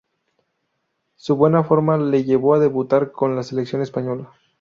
Su buena forma le llevó a debutar con la selección española.